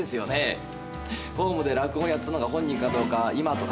ホームで落語をやったのが本人かどうか今となってはね。